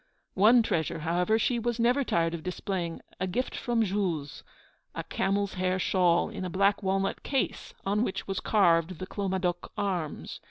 One treasure, however, she was never tired of displaying, a gift from Jules, a camels' hair shawl, in a black walnut case, on which was carved the Clomadoc arms.